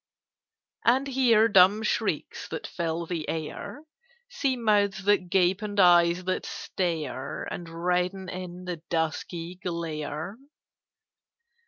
"And hear dumb shrieks that fill the air; See mouths that gape, and eyes that stare And redden in the dusky glare?